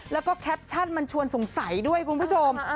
แล้วก็แคปชั่นมันชวนสงสัยด้วยคุณผู้ชม